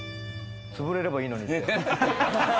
潰れればいいのにって。